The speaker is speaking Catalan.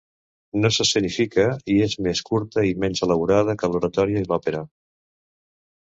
No s'escenifica i és més curta i menys elaborada que l'oratori i l'òpera.